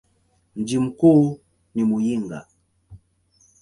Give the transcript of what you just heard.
Mji mkuu ni Muyinga.